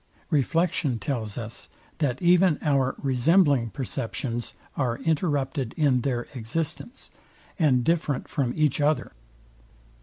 Reflection tells us, that even our resembling perceptions are interrupted in their existence, and different from each other.